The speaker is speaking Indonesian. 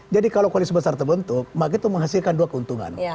jadi kalau koalisi besar terbentuk maka itu menghasilkan dua keuntungan